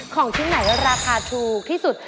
ของชิ้นไหนราคาถูกที่สุด